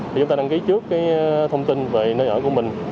thì chúng ta đăng ký trước cái thông tin về nơi ở của mình